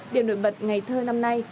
điều nổi bật ngày thơ năm nay